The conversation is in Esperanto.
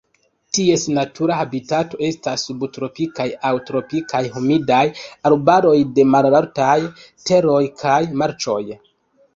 Ties natura habitato estas subtropikaj aŭ tropikaj humidaj arbaroj de malaltaj teroj kaj marĉoj.